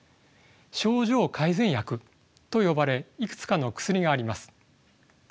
症状改善薬と呼ばれいくつかの薬があります。